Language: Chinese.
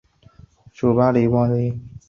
属邕州羁縻。